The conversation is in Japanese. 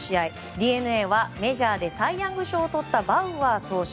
ＤｅＮＡはメジャーでサイ・ヤング賞をとったバウアー投手。